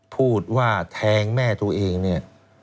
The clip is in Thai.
พูดว่าแทงแม่ตัวเองเนี่ย